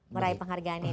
beraih penghargaan ini